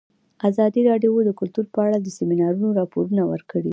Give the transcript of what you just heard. ازادي راډیو د کلتور په اړه د سیمینارونو راپورونه ورکړي.